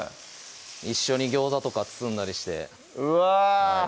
一緒にギョーザとか包んだりしてうわ！